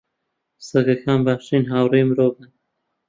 سەگەکان باشترین هاوڕێی مرۆڤن.